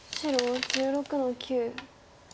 白１６の九。